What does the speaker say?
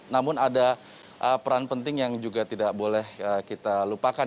namun ada peran penting yang juga tidak boleh kita lupakan